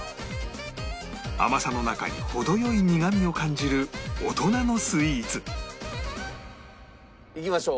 甘さの中に程良い苦みを感じる大人のスイーツいきましょう。